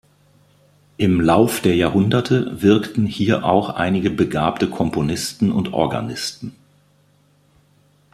Im Lauf der Jahrhunderte wirkten hier auch einige begabte Komponisten und Organisten.